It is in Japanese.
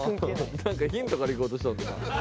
なんかヒントからいこうとしとるのか？